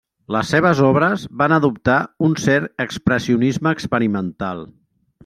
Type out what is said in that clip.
Les seves obres van adoptar un cert expressionisme experimental.